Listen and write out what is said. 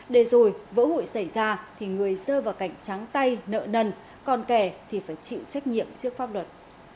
để rồi vỡ hủi xảy ra thì người rơ vào cảnh tráng tay nợ nần còn kẻ thì phải chịu trách nhiệm trước pháp luật